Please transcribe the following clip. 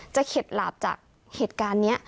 เข็ดหลาบจากเหตุการณ์นี้